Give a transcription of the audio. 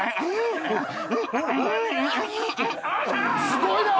すごいな。